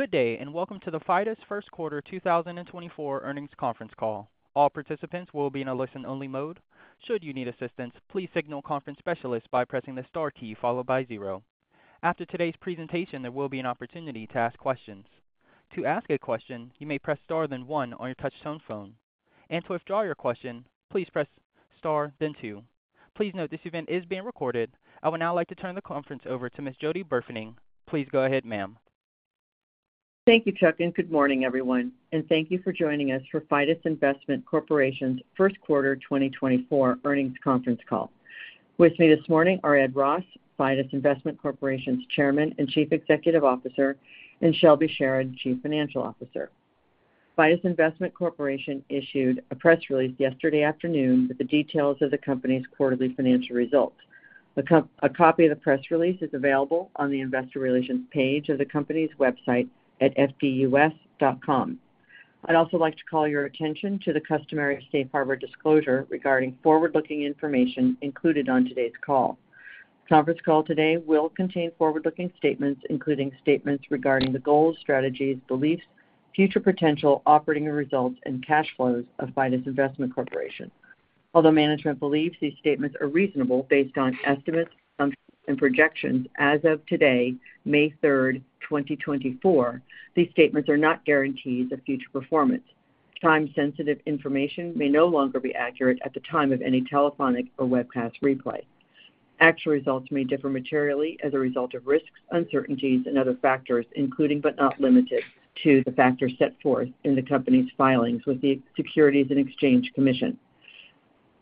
Good day and welcome to the Fidus's first quarter 2024 earnings conference call. All participants will be in a listen-only mode. Should you need assistance, please signal a conference specialist by pressing the star key followed by zero. After today's presentation, there will be an opportunity to ask questions. To ask a question, you may press star then one on your touch-tone phone. To withdraw your question, please press star then two. Please note this event is being recorded. I would now like to turn the conference over to Ms. Jody Burfening. Please go ahead, ma'am. Thank you, Chuck, and good morning, everyone. Thank you for joining us for Fidus Investment Corporation's first quarter 2024 earnings conference call. With me this morning are Ed Ross, Fidus Investment Corporation's Chairman and Chief Executive Officer, and Shelby Sherard, Chief Financial Officer. Fidus Investment Corporation issued a press release yesterday afternoon with the details of the company's quarterly financial results. A copy of the press release is available on the investor relations page of the company's website at fdus.com. I'd also like to call your attention to the customary Safe Harbor disclosure regarding forward-looking information included on today's call. The conference call today will contain forward-looking statements, including statements regarding the goals, strategies, beliefs, future potential, operating results, and cash flows of Fidus Investment Corporation. Although management believes these statements are reasonable based on estimates, assumptions, and projections as of today, May 3rd, 2024, these statements are not guarantees of future performance. Time-sensitive information may no longer be accurate at the time of any telephonic or webcast replay. Actual results may differ materially as a result of risks, uncertainties, and other factors, including but not limited to the factors set forth in the company's filings with the Securities and Exchange Commission.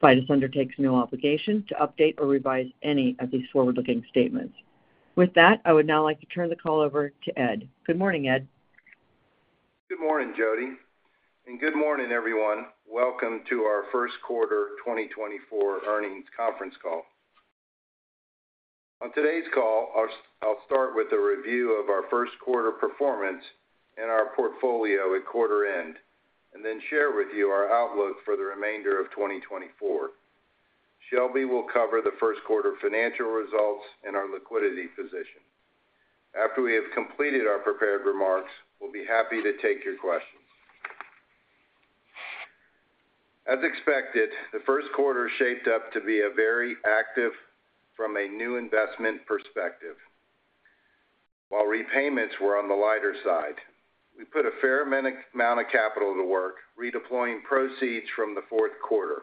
Fidus undertakes no obligation to update or revise any of these forward-looking statements. With that, I would now like to turn the call over to Ed. Good morning, Ed. Good morning, Jody. Good morning, everyone. Welcome to our first quarter 2024 earnings conference call. On today's call, I'll start with a review of our first quarter performance and our portfolio at quarter end, and then share with you our outlook for the remainder of 2024. Shelby will cover the first quarter financial results and our liquidity position. After we have completed our prepared remarks, we'll be happy to take your questions. As expected, the first quarter shaped up to be a very active from a new investment perspective. While repayments were on the lighter side, we put a fair amount of capital to work redeploying proceeds from the fourth quarter.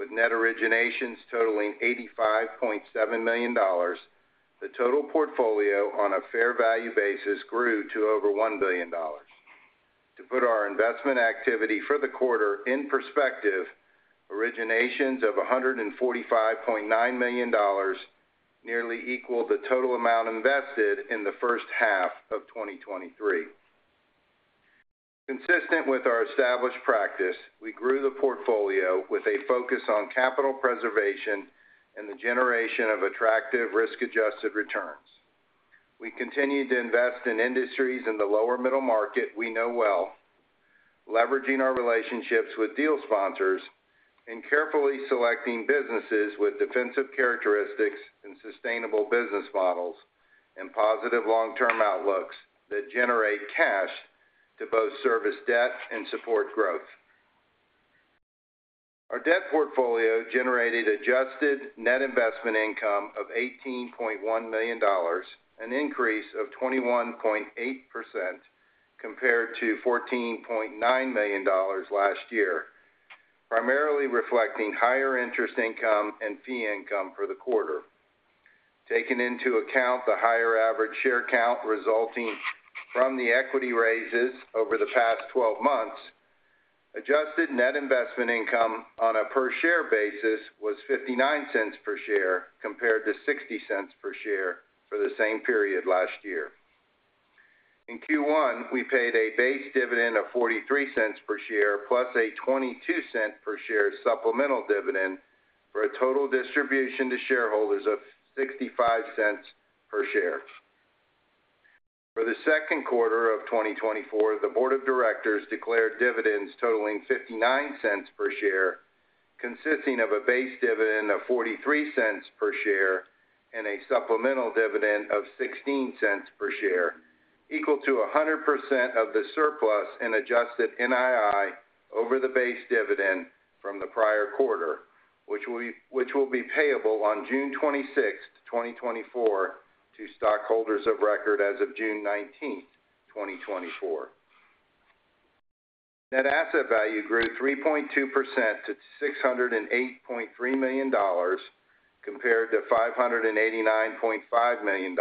With net originations totaling $85.7 million, the total portfolio on a fair value basis grew to over $1 billion. To put our investment activity for the quarter in perspective, originations of $145.9 million nearly equaled the total amount invested in the first half of 2023. Consistent with our established practice, we grew the portfolio with a focus on capital preservation and the generation of attractive risk-adjusted returns. We continued to invest in industries in the lower middle market we know well, leveraging our relationships with deal sponsors and carefully selecting businesses with defensive characteristics and sustainable business models and positive long-term outlooks that generate cash to both service debt and support growth. Our debt portfolio generated adjusted net investment income of $18.1 million, an increase of 21.8% compared to $14.9 million last year, primarily reflecting higher interest income and fee income for the quarter. Taking into account the higher average share count resulting from the equity raises over the past 12 months, adjusted net investment income on a per-share basis was $0.59 per share compared to $0.60 per share for the same period last year. In Q1, we paid a base dividend of $0.43 per share plus a $0.22 per share supplemental dividend for a total distribution to shareholders of $0.65 per share. For the second quarter of 2024, the board of directors declared dividends totaling $0.59 per share, consisting of a base dividend of $0.43 per share and a supplemental dividend of $0.16 per share, equal to 100% of the surplus in adjusted NII over the base dividend from the prior quarter, which will be payable on June 26th, 2024, to stockholders of record as of June 19th, 2024. Net asset value grew 3.2% to $608.3 million compared to $589.5 million.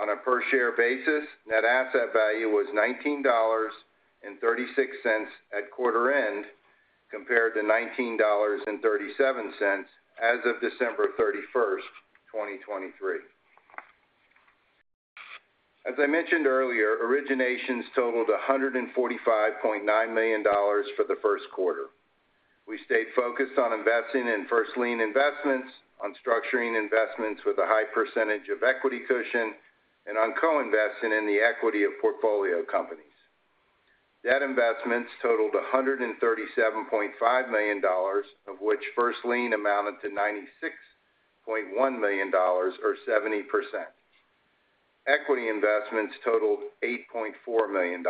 On a per-share basis, net asset value was $19.36 at quarter end compared to $19.37 as of December 31st, 2023. As I mentioned earlier, originations totaled $145.9 million for the first quarter. We stayed focused on investing in first lien investments, on structuring investments with a high percentage of equity cushion, and on co-investing in the equity of portfolio companies. Debt investments totaled $137.5 million, of which first lien amounted to $96.1 million or 70%. Equity investments totaled $8.4 million.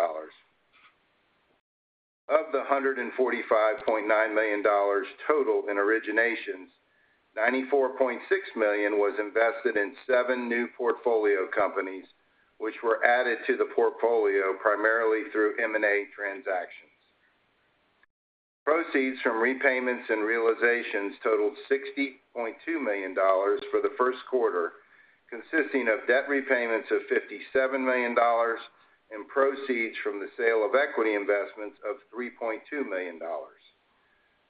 Of the $145.9 million total in originations, $94.6 million was invested in seven new portfolio companies, which were added to the portfolio primarily through M&A transactions. Proceeds from repayments and realizations totaled $60.2 million for the first quarter, consisting of debt repayments of $57 million and proceeds from the sale of equity investments of $3.2 million,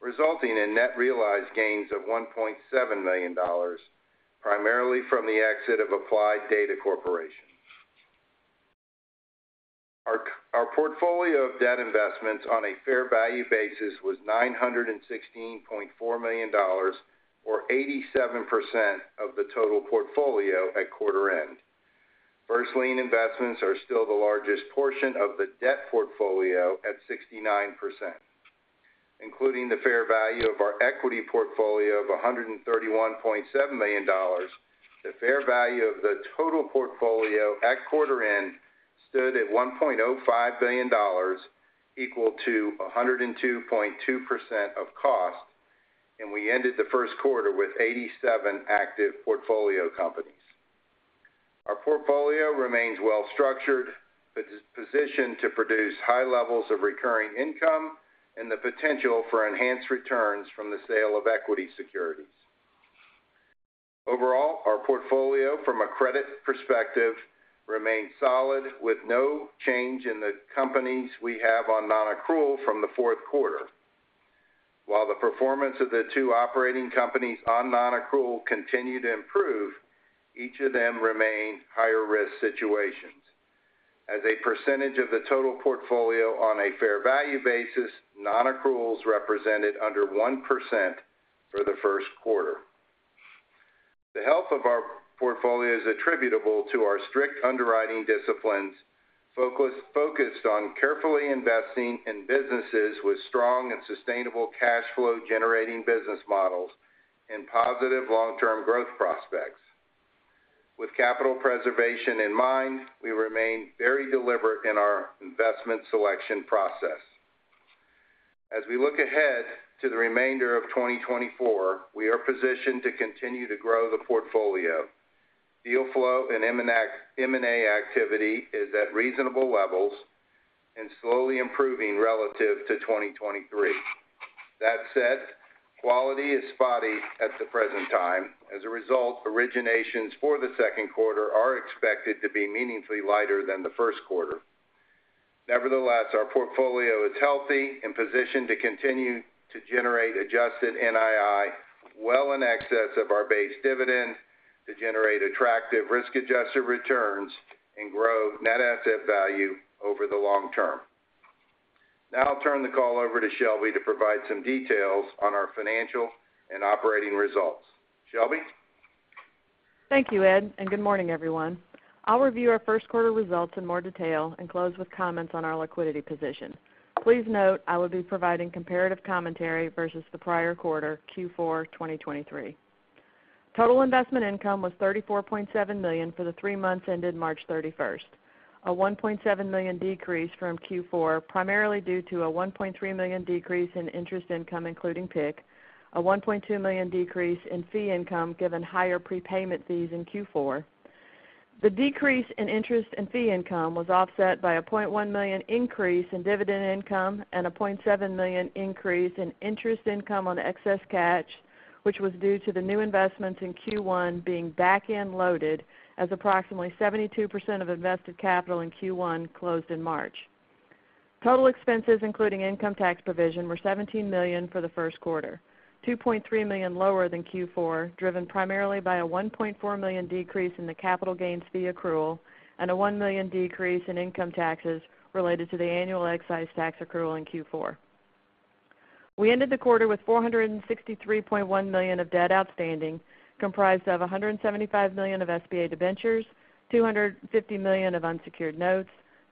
resulting in net realized gains of $1.7 million, primarily from the exit of Applied Data Corporation. Our portfolio of debt investments on a fair value basis was $916.4 million or 87% of the total portfolio at quarter end. First lien investments are still the largest portion of the debt portfolio at 69%. Including the fair value of our equity portfolio of $131.7 million, the fair value of the total portfolio at quarter end stood at $1.05 billion, equal to 102.2% of cost, and we ended the first quarter with 87 active portfolio companies. Our portfolio remains well-structured, positioned to produce high levels of recurring income and the potential for enhanced returns from the sale of equity securities. Overall, our portfolio from a credit perspective remains solid, with no change in the companies we have on non-accrual from the fourth quarter. While the performance of the two operating companies on non-accrual continued to improve, each of them remained higher-risk situations. As a percentage of the total portfolio on a fair value basis, non-accruals represented under 1% for the first quarter. The health of our portfolio is attributable to our strict underwriting disciplines focused on carefully investing in businesses with strong and sustainable cash flow-generating models and positive long-term growth prospects. With capital preservation in mind, we remain very deliberate in our investment selection process. As we look ahead to the remainder of 2024, we are positioned to continue to grow the portfolio. Deal flow and M&A activity are at reasonable levels and slowly improving relative to 2023. That said, quality is spotty at the present time. As a result, originations for the second quarter are expected to be meaningfully lighter than the first quarter. Nevertheless, our portfolio is healthy and positioned to continue to generate adjusted NII well in excess of our base dividend, to generate attractive risk-adjusted returns, and grow net asset value over the long term. Now I'll turn the call over to Shelby to provide some details on our financial and operating results. Shelby? Thank you, Ed, and good morning, everyone. I'll review our first quarter results in more detail and close with comments on our liquidity position. Please note I will be providing comparative commentary versus the prior quarter, Q4 2023. Total investment income was $34.7 million for the three months ended March 31st, a $1.7 million decrease from Q4 primarily due to a $1.3 million decrease in interest income including PIK, a $1.2 million decrease in fee income given higher prepayment fees in Q4. The decrease in interest and fee income was offset by a $0.1 million increase in dividend income and a $0.7 million increase in interest income on excess cash, which was due to the new investments in Q1 being back-end loaded as approximately 72% of invested capital in Q1 closed in March. Total expenses including income tax provision were $17 million for the first quarter, $2.3 million lower than Q4 driven primarily by a $1.4 million decrease in the capital gains fee accrual and a $1 million decrease in income taxes related to the annual excise tax accrual in Q4. We ended the quarter with $463.1 million of debt outstanding comprised of $175 million of SBA debentures, $250 million of unsecured notes,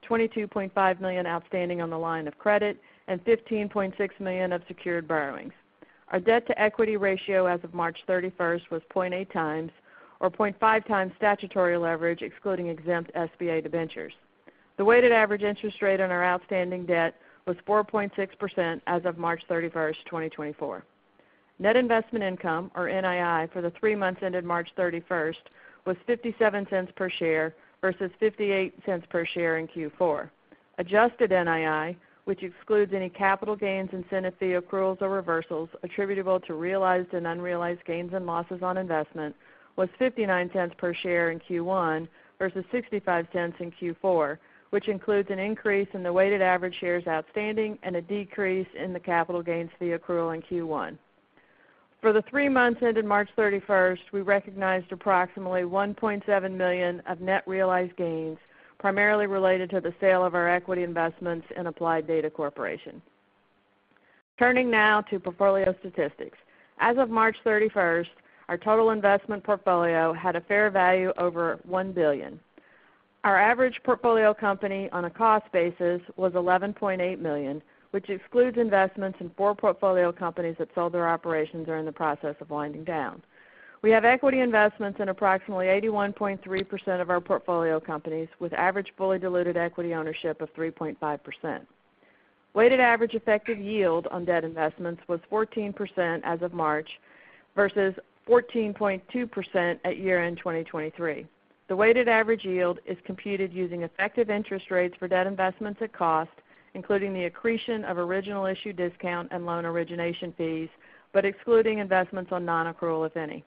$22.5 million outstanding on the line of credit, and $15.6 million of secured borrowings. Our debt-to-equity ratio as of March 31st was 0.8x or 0.5x statutory leverage excluding exempt SBA debentures. The weighted average interest rate on our outstanding debt was 4.6% as of March 31st, 2024. Net investment income or NII for the three months ended March 31st was $0.57 per share versus $0.58 per share in Q4. Adjusted NII, which excludes any capital gains incentive fee accruals or reversals attributable to realized and unrealized gains and losses on investment, was $0.59 per share in Q1 versus $0.65 in Q4, which includes an increase in the weighted average shares outstanding and a decrease in the capital gains fee accrual in Q1. For the three months ended March 31st, we recognized approximately $1.7 million of net realized gains primarily related to the sale of our equity investments in Applied Data Corporation. Turning now to portfolio statistics. As of March 31st, our total investment portfolio had a fair value over $1 billion. Our average portfolio company on a cost basis was $11.8 million, which excludes investments in four portfolio companies that sold their operations or in the process of winding down. We have equity investments in approximately 81.3% of our portfolio companies with average fully diluted equity ownership of 3.5%. Weighted average effective yield on debt investments was 14% as of March versus 14.2% at year-end 2023. The weighted average yield is computed using effective interest rates for debt investments at cost, including the accretion of original issue discount and loan origination fees, but excluding investments on non-accrual, if any.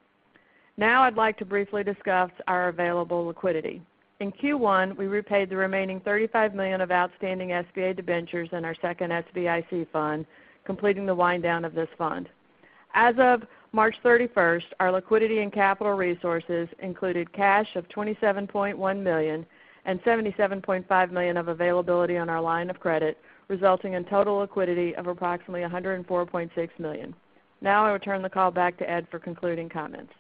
Now I'd like to briefly discuss our available liquidity. In Q1, we repaid the remaining $35 million of outstanding SBA debentures in our second SBIC fund, completing the wind-down of this fund. As of March 31st, our liquidity and capital resources included cash of $27.1 million and $77.5 million of availability on our line of credit, resulting in total liquidity of approximately $104.6 million. Now I will turn the call back to Ed for concluding comments.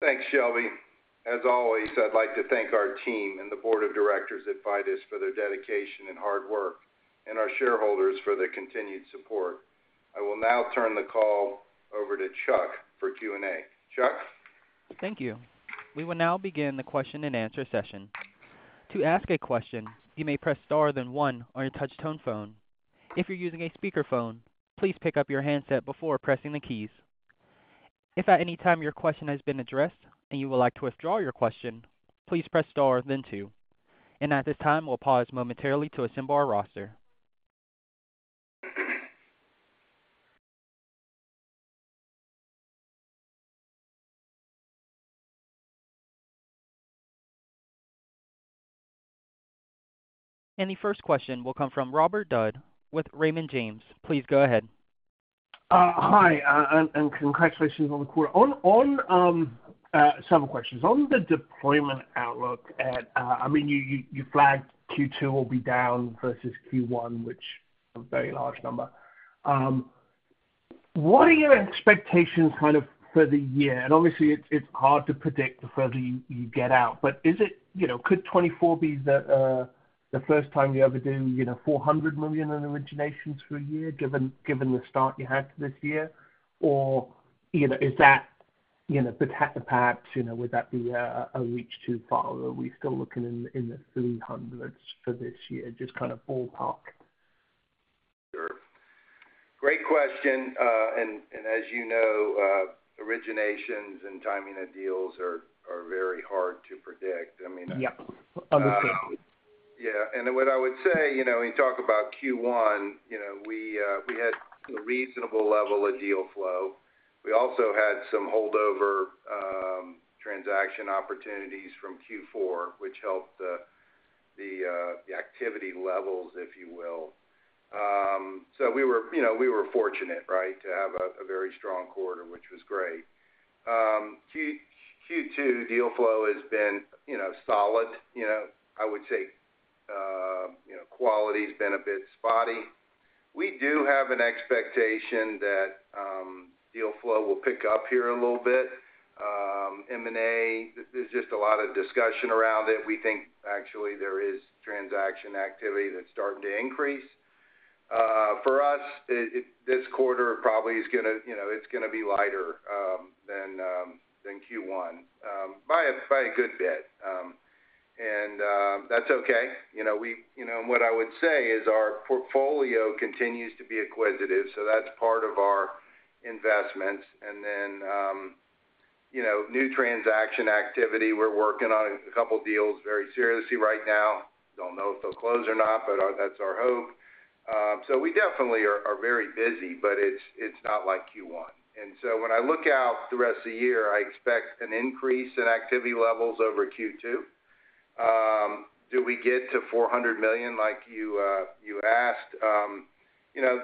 Thanks, Shelby. As always, I'd like to thank our team and the board of directors at Fidus for their dedication and hard work, and our shareholders for their continued support. I will now turn the call over to Chuck for Q&A. Chuck? Thank you. We will now begin the question-and-answer session. To ask a question, you may press star, then one on your touch-tone phone. If you're using a speakerphone, please pick up your handset before pressing the keys. If at any time your question has been addressed and you would like to withdraw your question, please press star, then two. And at this time, we'll pause momentarily to assemble our roster. And the first question will come from Robert Dodd with Raymond James. Please go ahead. Hi, and congratulations on the quarter. Several questions. On the deployment outlook at, I mean, you flagged Q2 will be down versus Q1, which is a very large number. What are your expectations kind of for the year? And obviously, it's hard to predict the further you get out, but could 2024 be the first time you ever do $400 million in originations for a year given the start you had this year? Or is that perhaps would that be a reach too far? Are we still looking in the $300s for this year? Just kind of ballpark. Sure. Great question. And as you know, originations and timing of deals are very hard to predict. I mean. Yep. Understood. Yeah. And what I would say, when you talk about Q1, we had a reasonable level of deal flow. We also had some holdover transaction opportunities from Q4, which helped the activity levels, if you will. So we were fortunate, right, to have a very strong quarter, which was great. Q2, deal flow has been solid. I would say quality has been a bit spotty. We do have an expectation that deal flow will pick up here a little bit. M&A, there's just a lot of discussion around it. We think, actually, there is transaction activity that's starting to increase. For us, this quarter probably is going to be lighter than Q1 by a good bit. And that's okay. And what I would say is our portfolio continues to be acquisitive, so that's part of our investments. And then new transaction activity, we're working on a couple of deals very seriously right now. Don't know if they'll close or not, but that's our hope. So we definitely are very busy, but it's not like Q1. And so when I look out the rest of the year, I expect an increase in activity levels over Q2. Do we get to $400 million like you asked?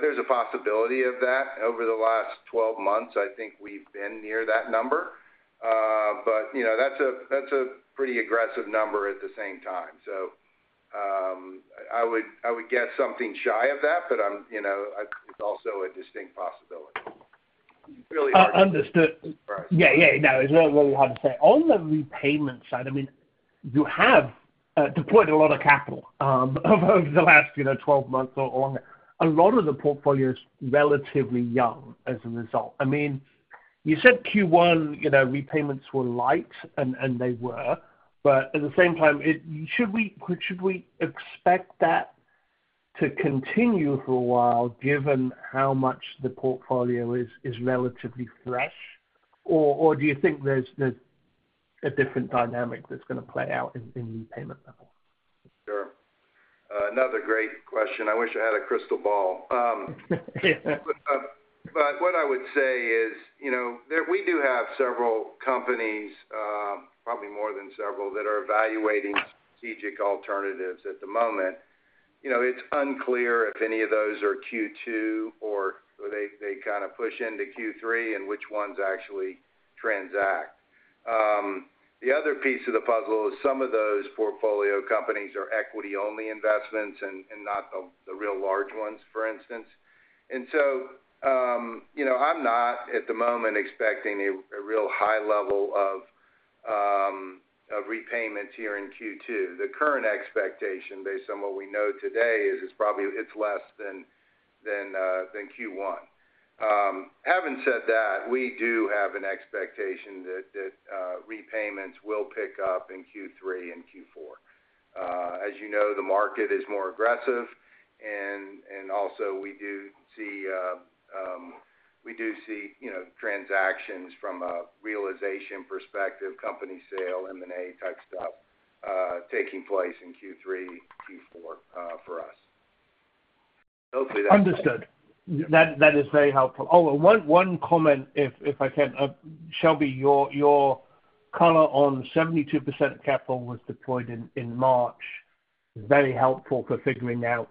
There's a possibility of that. Over the last 12 months, I think we've been near that number. But that's a pretty aggressive number at the same time. So I would guess something shy of that, but it's also a distinct possibility. Really hard to. Understood. Yeah, yeah. No, it's really hard to say. On the repayment side, I mean, you have deployed a lot of capital over the last 12 months or longer. A lot of the portfolio is relatively young as a result. I mean, you said Q1 repayments were light, and they were. But at the same time, should we expect that to continue for a while given how much the portfolio is relatively fresh? Or do you think there's a different dynamic that's going to play out in repayment levels? Sure. Another great question. I wish I had a crystal ball. But what I would say is we do have several companies, probably more than several, that are evaluating strategic alternatives at the moment. It's unclear if any of those are Q2 or they kind of push into Q3 and which ones actually transact. The other piece of the puzzle is some of those portfolio companies are equity-only investments and not the real large ones, for instance. And so I'm not, at the moment, expecting a real high level of repayments here in Q2. The current expectation, based on what we know today, is it's less than Q1. Having said that, we do have an expectation that repayments will pick up in Q3 and Q4. As you know, the market is more aggressive. Also, we do see transactions from a realization perspective, company sale, M&A type stuff, taking place in Q3, Q4 for us. Hopefully, that's. Understood. That is very helpful. Oh, one comment, if I can. Shelby, your color on 72% of capital was deployed in March. Very helpful for figuring out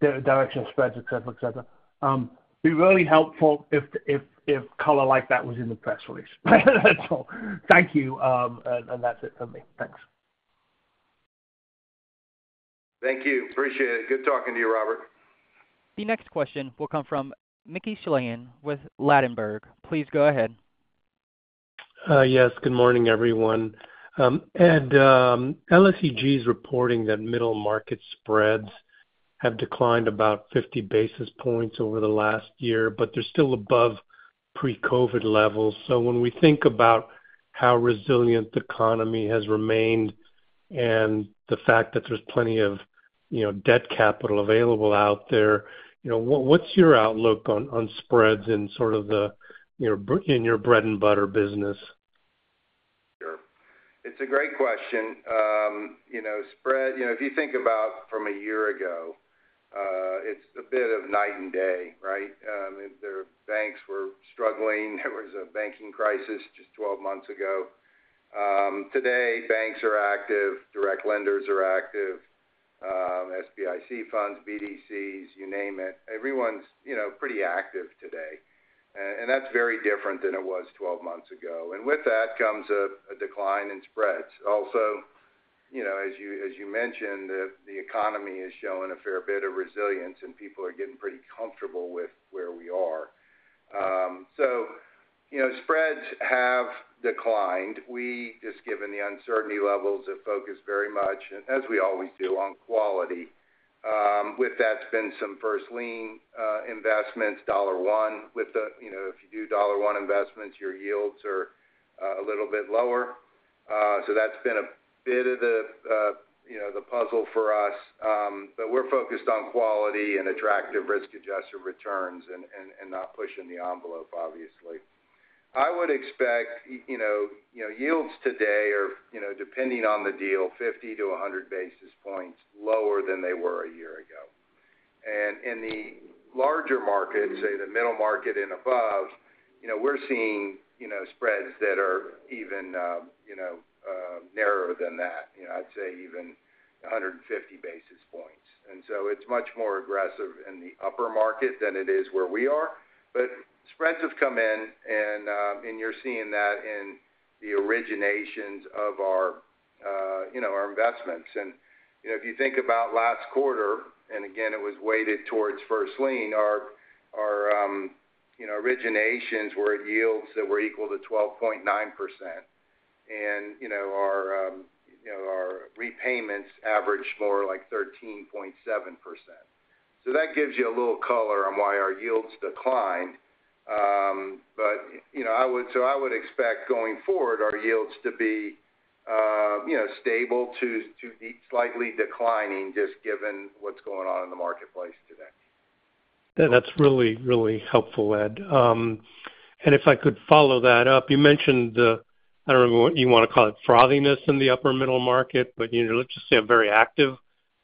directional spreads, etc., etc. Be really helpful if color like that was in the press release. That's all. Thank you. And that's it from me. Thanks. Thank you. Appreciate it. Good talking to you, Robert. The next question will come from Mickey Schleien with Ladenburg Thalmann. Please go ahead. Yes. Good morning, everyone. Ed, LSEG is reporting that middle market spreads have declined about 50 basis points over the last year, but they're still above pre-COVID levels. So when we think about how resilient the economy has remained and the fact that there's plenty of debt capital available out there, what's your outlook on spreads in sort of the in your bread and butter business? Sure. It's a great question. Spread, if you think about from a year ago, it's a bit of night and day, right? Banks were struggling. There was a banking crisis just 12 months ago. Today, banks are active. Direct lenders are active. SBIC funds, BDCs, you name it. Everyone's pretty active today. And that's very different than it was 12 months ago. And with that comes a decline in spreads. Also, as you mentioned, the economy is showing a fair bit of resilience, and people are getting pretty comfortable with where we are. So spreads have declined. We, just given the uncertainty levels, have focused very much, as we always do, on quality. With that, there's been some first-lien investments, dollar-one. If you do dollar-one investments, your yields are a little bit lower. So that's been a bit of the puzzle for us. But we're focused on quality and attractive risk-adjusted returns and not pushing the envelope, obviously. I would expect yields today are, depending on the deal, 50-100 basis points lower than they were a year ago. And in the larger markets, say the middle market and above, we're seeing spreads that are even narrower than that. I'd say even 150 basis points. And so it's much more aggressive in the upper market than it is where we are. But spreads have come in, and you're seeing that in the originations of our investments. And if you think about last quarter - and again, it was weighted towards first lien - our originations were at yields that were equal to 12.9%. And our repayments averaged more like 13.7%. So that gives you a little color on why our yields declined. But so I would expect, going forward, our yields to be stable to slightly declining, just given what's going on in the marketplace today. That's really, really helpful, Ed. And if I could follow that up, you mentioned the, I don't know, what you want to call it, frothiness in the upper-middle market, but let's just say a very active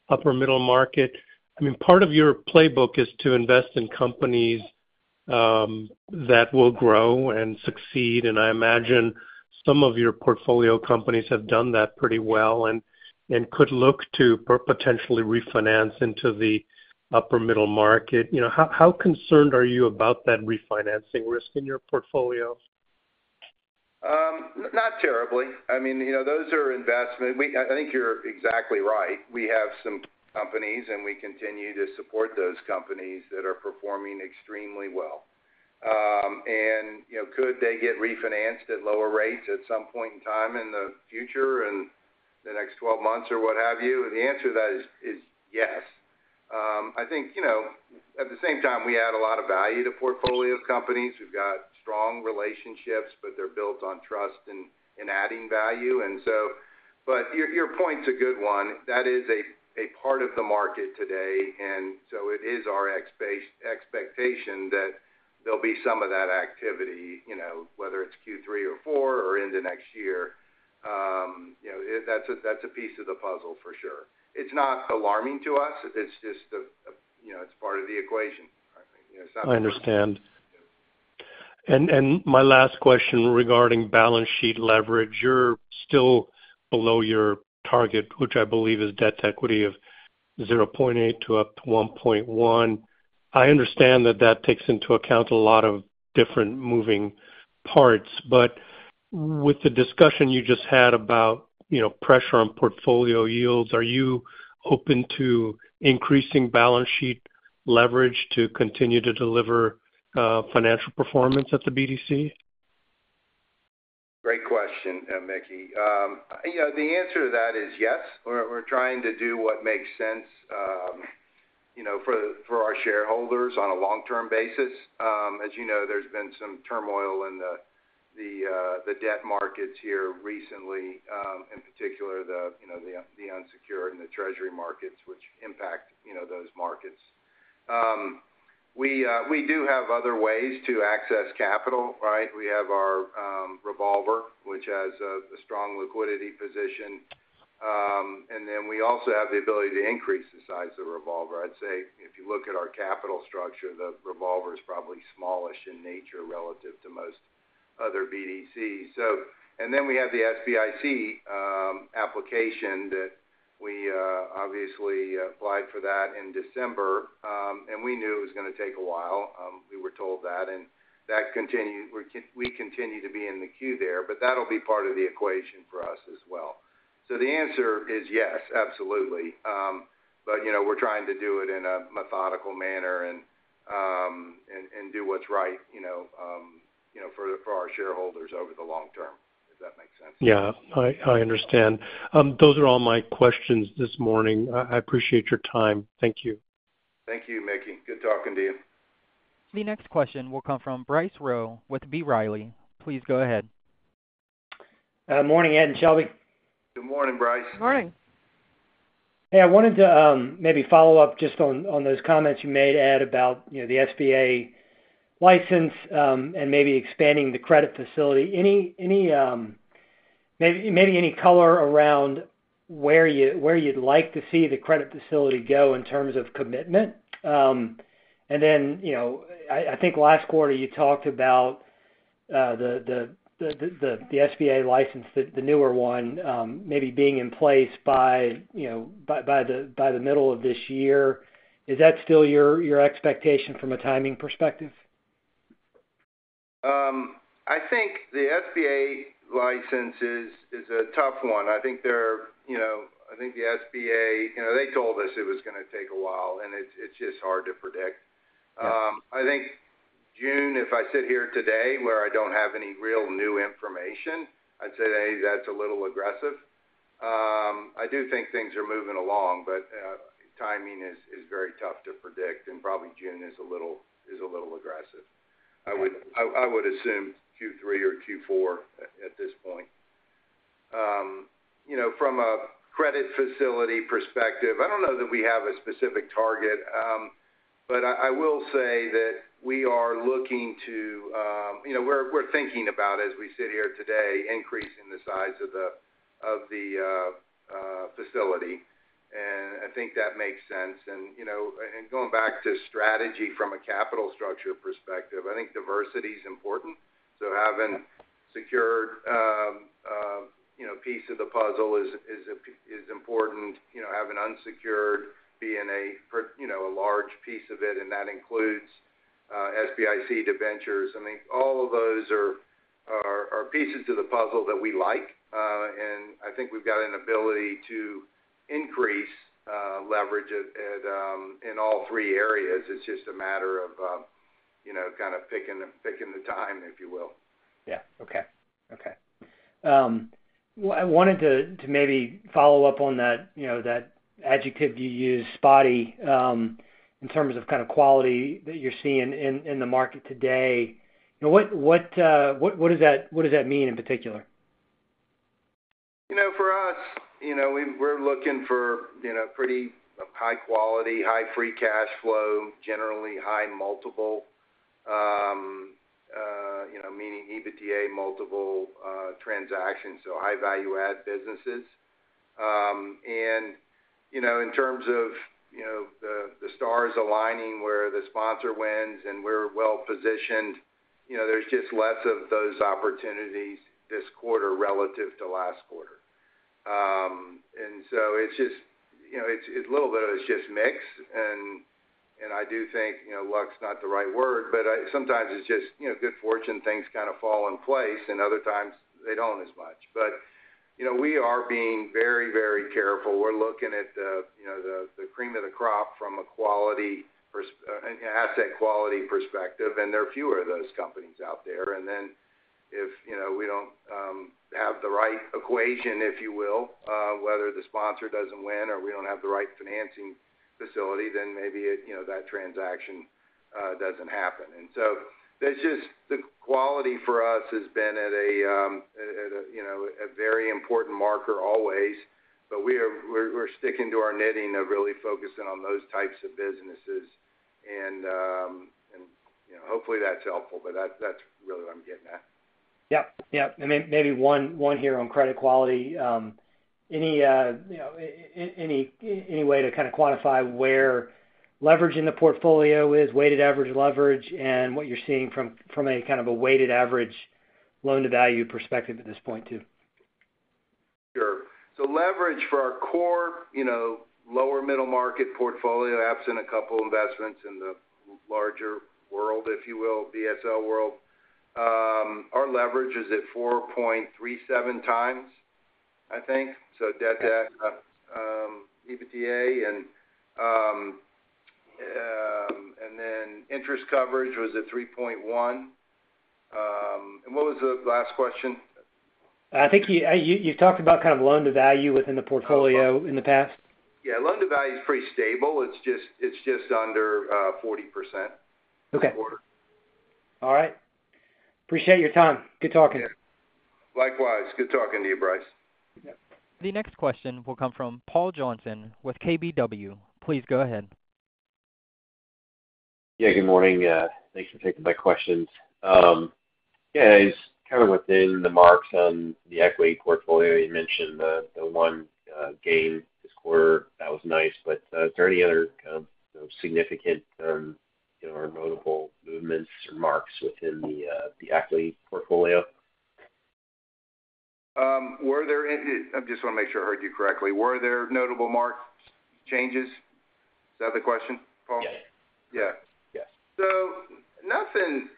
upper-middle market. I mean, part of your playbook is to invest in companies that will grow and succeed. And I imagine some of your portfolio companies have done that pretty well and could look to potentially refinance into the upper-middle market. How concerned are you about that refinancing risk in your portfolio? Not terribly. I mean, those are investments. I think you're exactly right. We have some companies, and we continue to support those companies that are performing extremely well. And could they get refinanced at lower rates at some point in time in the future, in the next 12 months or what have you? The answer to that is yes. I think, at the same time, we add a lot of value to portfolio companies. We've got strong relationships, but they're built on trust and adding value. But your point's a good one. That is a part of the market today. And so it is our expectation that there'll be some of that activity, whether it's Q3 or Q4 or into next year. That's a piece of the puzzle, for sure. It's not alarming to us. It's just a part of the equation, I think. It's not. I understand. My last question regarding balance sheet leverage. You're still below your target, which I believe is debt-to-equity of 0.8-1.1. I understand that that takes into account a lot of different moving parts. With the discussion you just had about pressure on portfolio yields, are you open to increasing balance sheet leverage to continue to deliver financial performance at the BDC? Great question, Mickey. The answer to that is yes. We're trying to do what makes sense for our shareholders on a long-term basis. As you know, there's been some turmoil in the debt markets here recently, in particular the unsecured and the treasury markets, which impact those markets. We do have other ways to access capital, right? We have our revolver, which has a strong liquidity position. And then we also have the ability to increase the size of the revolver. I'd say, if you look at our capital structure, the revolver is probably smallest in nature relative to most other BDCs. And then we have the SBIC application that we obviously applied for that in December. And we knew it was going to take a while. We were told that. And we continue to be in the queue there. That'll be part of the equation for us as well. The answer is yes, absolutely. We're trying to do it in a methodical manner and do what's right for our shareholders over the long term, if that makes sense. Yeah. I understand. Those are all my questions this morning. I appreciate your time. Thank you. Thank you, Mickey. Good talking to you. The next question will come from Bryce Rowe with B. Riley. Please go ahead. Morning, Ed and Shelby. Good morning, Bryce. Good morning. Hey, I wanted to maybe follow up just on those comments you made, Ed, about the SBA license and maybe expanding the credit facility. Maybe any color around where you'd like to see the credit facility go in terms of commitment? And then I think last quarter, you talked about the SBA license, the newer one, maybe being in place by the middle of this year. Is that still your expectation from a timing perspective? I think the SBA license is a tough one. I think the SBA, they told us it was going to take a while, and it's just hard to predict. I think June, if I sit here today where I don't have any real new information, I'd say, "Hey, that's a little aggressive." I do think things are moving along, but timing is very tough to predict. Probably June is a little aggressive. I would assume Q3 or Q4 at this point. From a credit facility perspective, I don't know that we have a specific target. But I will say that we're thinking about, as we sit here today, increasing the size of the facility. I think that makes sense. Going back to strategy from a capital structure perspective, I think diversity is important. So having a secured piece of the puzzle is important. Having unsecured being a large piece of it, and that includes SBIC to ventures. I mean, all of those are pieces to the puzzle that we like. And I think we've got an ability to increase leverage in all three areas. It's just a matter of kind of picking the time, if you will. Yeah. Okay. Okay. I wanted to maybe follow up on that adjective you used, spotty, in terms of kind of quality that you're seeing in the market today. What does that mean in particular? For us, we're looking for pretty high quality, high free cash flow, generally high multiple, meaning EBITDA multiple transactions, so high value-add businesses. In terms of the stars aligning where the sponsor wins and we're well-positioned, there's just less of those opportunities this quarter relative to last quarter. So it's just a little bit of it. It's just mix. I do think luck's not the right word. But sometimes it's just good fortune. Things kind of fall in place. Other times, they don't as much. We are being very, very careful. We're looking at the cream of the crop from an asset quality perspective. There are fewer of those companies out there. Then if we don't have the right equation, if you will, whether the sponsor doesn't win or we don't have the right financing facility, then maybe that transaction doesn't happen. And so the quality for us has been at a very important marker always. But we're sticking to our knitting of really focusing on those types of businesses. And hopefully, that's helpful. But that's really what I'm getting at. Yep. Yep. Maybe one here on credit quality. Any way to kind of quantify where leverage in the portfolio is, weighted average leverage, and what you're seeing from a kind of a weighted average loan-to-value perspective at this point too? Sure. So leverage for our core lower-middle market portfolio, absent a couple investments in the larger world, if you will, BSL world, our leverage is at 4.37x, I think, so debt to EBITDA. And then interest coverage was at 3.1x. And what was the last question? I think you've talked about kind of loan-to-value within the portfolio in the past. Yeah. Loan-to-value is pretty stable. It's just under 40% this quarter. Okay. All right. Appreciate your time. Good talking. Likewise. Good talking to you, Bryce. Yep. The next question will come from Paul Johnson with KBW. Please go ahead. Yeah. Good morning. Thanks for taking my questions. Yeah. It's kind of within the marks on the equity portfolio. You mentioned the one gain this quarter. That was nice. But is there any other significant or notable movements or marks within the equity portfolio? I just want to make sure I heard you correctly. Were there notable market changes? Is that the question, Paul? Yes. Yeah. Yes.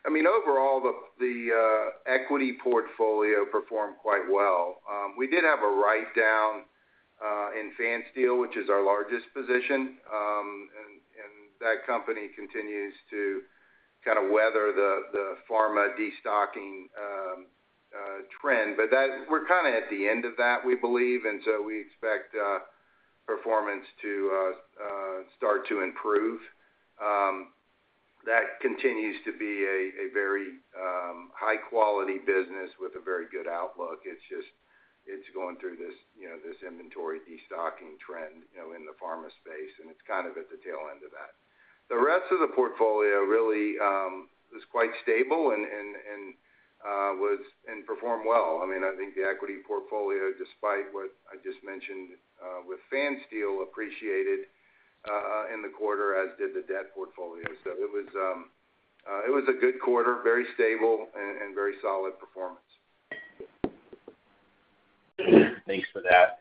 I mean, overall, the equity portfolio performed quite well. We did have a write-down in Fansteel, which is our largest position. That company continues to kind of weather the pharma destocking trend. We're kind of at the end of that, we believe. We expect performance to start to improve. That continues to be a very high-quality business with a very good outlook. It's going through this inventory destocking trend in the pharma space. It's kind of at the tail end of that. The rest of the portfolio really was quite stable and performed well. I mean, I think the equity portfolio, despite what I just mentioned with Fansteel, appreciated in the quarter, as did the debt portfolio. It was a good quarter, very stable, and very solid performance. Thanks for that.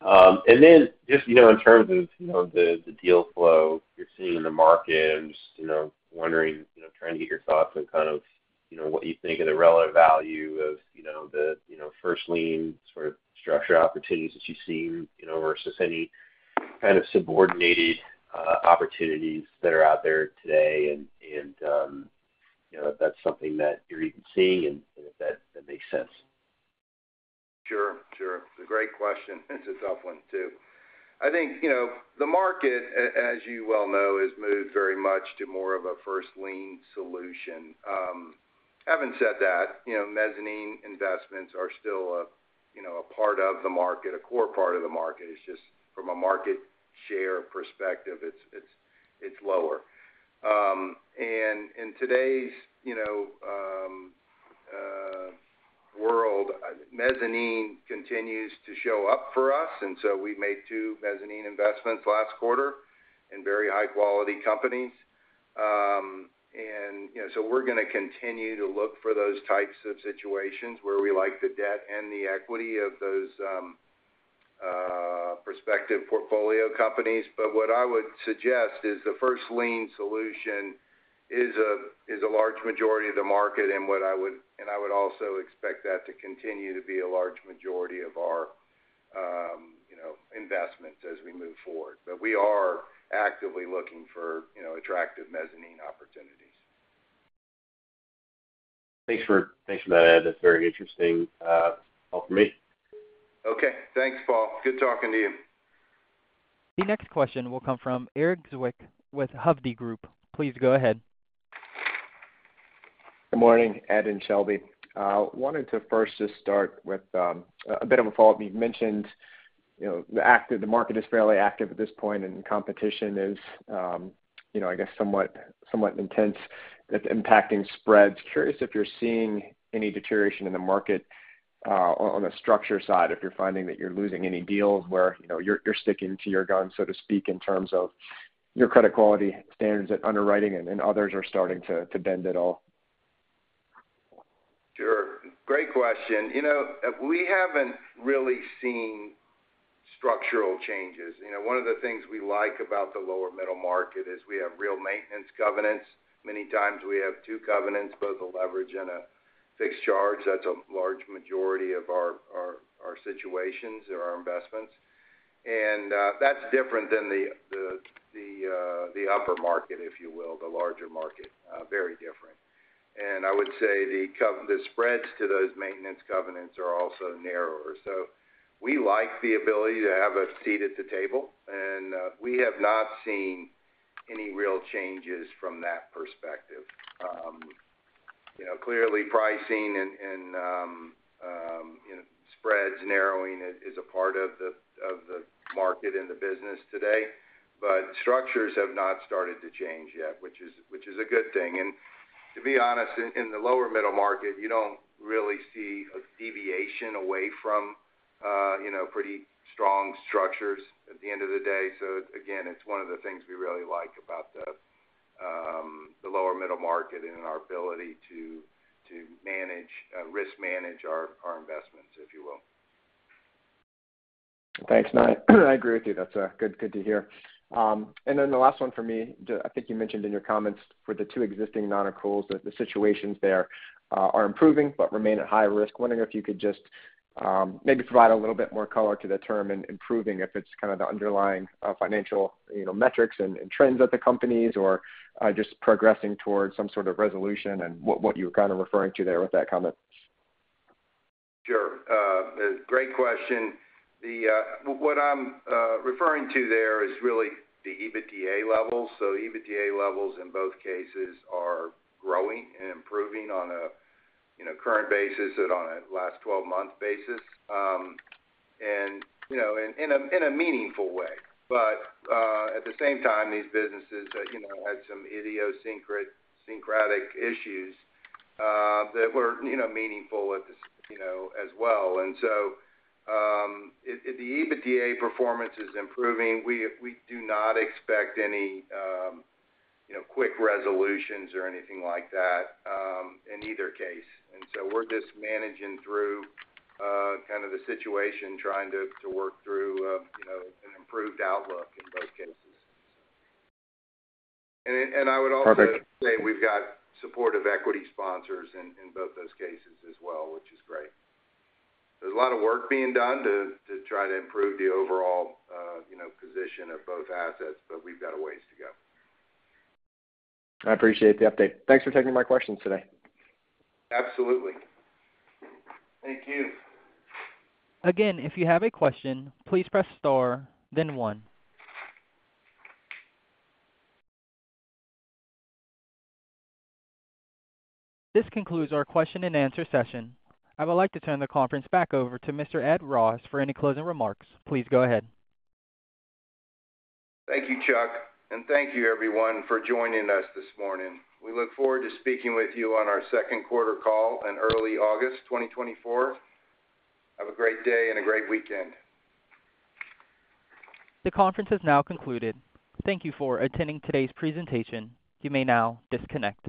And then just in terms of the deal flow you're seeing in the market, I'm just wondering, trying to get your thoughts on kind of what you think of the relative value of the first-lien sort of structured opportunities that you've seen versus any kind of subordinated opportunities that are out there today. And if that's something that you're even seeing and if that makes sense. Sure. Sure. It's a great question. It's a tough one too. I think the market, as you well know, has moved very much to more of a first-lien solution. Having said that, mezzanine investments are still a part of the market, a core part of the market. It's just from a market share perspective, it's lower. And in today's world, mezzanine continues to show up for us. And so we made two mezzanine investments last quarter in very high-quality companies. And so we're going to continue to look for those types of situations where we like the debt and the equity of those prospective portfolio companies. But what I would suggest is the first-lien solution is a large majority of the market. And I would also expect that to continue to be a large majority of our investments as we move forward. But we are actively looking for attractive mezzanine opportunities. Thanks for that, Ed. That's very interesting. All for me. Okay. Thanks, Paul. Good talking to you. The next question will come from Erik Zwick with Hovde Group. Please go ahead. Good morning, Ed and Shelby. I wanted to first just start with a bit of a follow-up. You've mentioned the market is fairly active at this point, and competition is, I guess, somewhat intense. It's impacting spreads. Curious if you're seeing any deterioration in the market on the structure side, if you're finding that you're losing any deals where you're sticking to your gun, so to speak, in terms of your credit quality standards at underwriting and others are starting to bend at all? Sure. Great question. We haven't really seen structural changes. One of the things we like about the lower-middle market is we have real maintenance covenants. Many times, we have two covenants, both a leverage and a fixed charge. That's a large majority of our situations or our investments. And that's different than the upper market, if you will, the larger market, very different. And I would say the spreads to those maintenance covenants are also narrower. So we like the ability to have a seat at the table. And we have not seen any real changes from that perspective. Clearly, pricing and spreads narrowing is a part of the market and the business today. But structures have not started to change yet, which is a good thing. To be honest, in the lower-middle market, you don't really see a deviation away from pretty strong structures at the end of the day. Again, it's one of the things we really like about the lower-middle market and our ability to risk-manage our investments, if you will. Thanks, Ed. I agree with you. That's good to hear. And then the last one for me. I think you mentioned in your comments for the two existing non-accruals, the situations there are improving but remain at high risk. Wondering if you could just maybe provide a little bit more color to the term improving if it's kind of the underlying financial metrics and trends at the companies or just progressing towards some sort of resolution and what you were kind of referring to there with that comment. Sure. Great question. What I'm referring to there is really the EBITDA levels. So EBITDA levels in both cases are growing and improving on a current basis than on a last 12-month basis and in a meaningful way. But at the same time, these businesses had some idiosyncratic issues that were meaningful as well. And so the EBITDA performance is improving. We do not expect any quick resolutions or anything like that in either case. And so we're just managing through kind of the situation, trying to work through an improved outlook in both cases. And I would also say we've got supportive equity sponsors in both those cases as well, which is great. There's a lot of work being done to try to improve the overall position of both assets. But we've got a ways to go. I appreciate the update. Thanks for taking my questions today. Absolutely. Thank you. Again, if you have a question, please press star, then one. This concludes our question-and-answer session. I would like to turn the conference back over to Mr. Ed Ross for any closing remarks. Please go ahead. Thank you, Chuck. Thank you, everyone, for joining us this morning. We look forward to speaking with you on our second-quarter call in early August 2024. Have a great day and a great weekend. The conference has now concluded. Thank you for attending today's presentation. You may now disconnect.